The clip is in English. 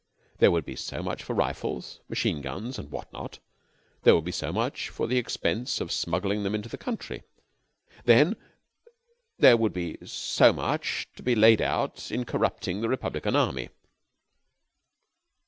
There would be so much for rifles, machine guns, and what not: and there would be so much for the expense of smuggling them into the country. Then there would be so much to be laid out in corrupting the republican army.